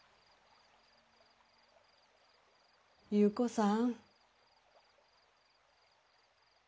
優子さん。